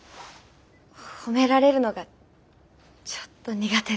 褒められるのがちょっと苦手で。